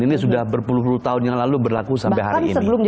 ini sudah berpuluh puluh tahun yang lalu berlaku sampai hari ini